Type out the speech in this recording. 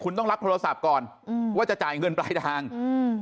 คุณต้องรับโทรศัพท์ก่อนอืมว่าจะจ่ายเงินปลายทางอืม